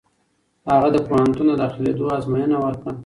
هغه د پوهنتون د داخلېدو ازموینه ورکړه.